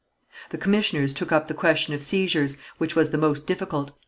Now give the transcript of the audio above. The commissioners took up the question of seizures, which was the most difficult.